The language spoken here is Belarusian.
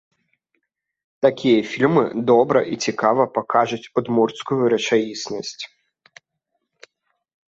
Такія фільмы добра і цікава пакажуць удмурцкую рэчаіснасць.